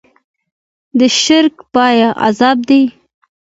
د شرک پای عذاب دی.